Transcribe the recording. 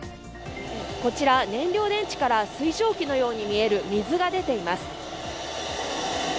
こちら燃料電池から水蒸気のように見える水が出ています。